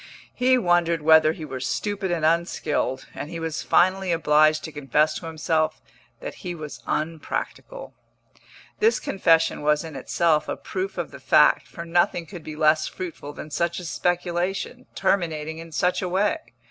He wondered whether he were stupid and unskilled, and he was finally obliged to confess to himself that he was unpractical. This confession was in itself a proof of the fact, for nothing could be less fruitful than such a speculation, terminating in such a way.